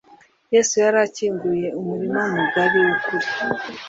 Yesu yari akinguye umurima mugari w'ukuri.